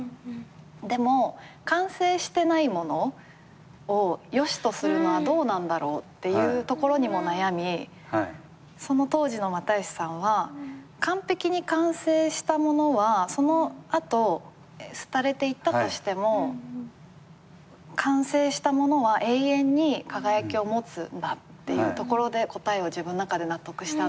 でも完成してないものを良しとするのはどうなんだろうっていうところにも悩みその当時の又吉さんは完璧に完成したものはその後廃れていったとしても完成したものは永遠に輝きを持つんだってところで答えは自分の中で納得したんだってエピソードがあって。